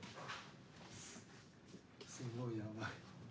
すごいやばい。